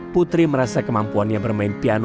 putri merasa kemampuannya bermain piano